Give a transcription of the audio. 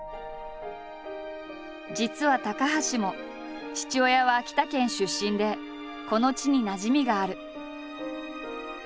実は高橋も父親は秋田県出身でこの地になじみがある。